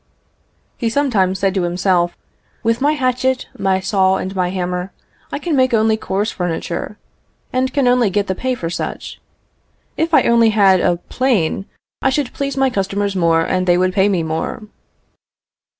He sometimes said to himself, "With my hatchet, my saw, and my hammer, I can make only coarse furniture, and can only get the pay for such. If I only had a plane, I should please my customers more, and they would pay me more.